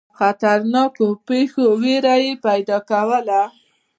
خطرناکو پیښو وېره یې پیدا کوله.